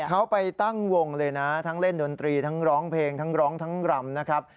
เขาไปตั้งวงเลยนะทั้งเล่นดนตรีทั้งร้องเพลงทั้งร้องทั้งรำนะครับ